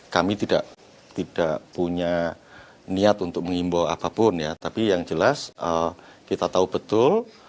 kami tidak tidak punya niat untuk mengimbau apapun ya tapi yang jelas kita tahu betul